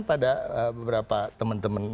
pada beberapa teman teman